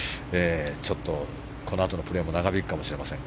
ちょっとこのあとのプレーも長引くかもしれません。